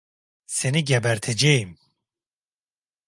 Seni geberteceğim!